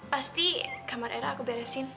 pasti kamar era aku beresin